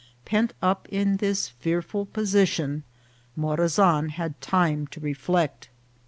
Pent up in this fearful position, Morazan had time to reflect.